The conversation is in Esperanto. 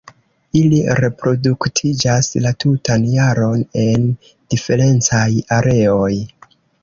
Ili reproduktiĝas la tutan jaron en diferencaj areoj.